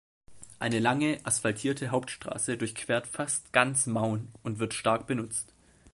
Eine lange, asphaltierte Hauptstraße durchquert fast ganz Maun und wird stark benutzt.